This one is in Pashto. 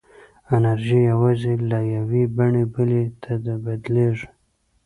انرژي یوازې له یوې بڼې بلې ته بدلېږي.